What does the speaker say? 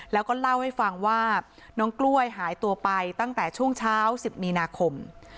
แล้วก็เล่าให้ฟังว่าน้องกล้วยหายตัวไปตั้งแต่ช่วงเช้า๑๐มีนาคม